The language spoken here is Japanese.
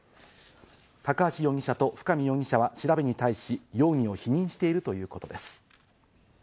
高橋容疑者と深見容疑者は調べに対し、容疑を否認しているということです。